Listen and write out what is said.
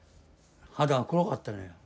肌が黒かったのよ。